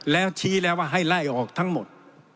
แล้วชี้แล้วว่าให้ไล่ออกทั้งหมด